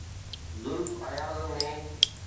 زلف اياز ۾.